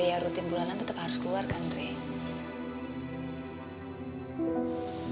ya biaya rutin bulanan tetap harus keluar kan dre